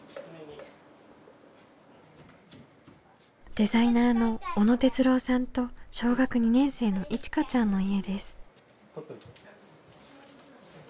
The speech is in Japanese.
デザイナーの小野哲郎さんと小学２年生のいちかちゃんの家です。